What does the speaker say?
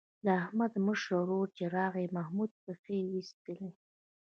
د احمد مشر ورور چې راغی محمود پښې وایستلې.